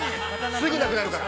◆すぐなくなるから。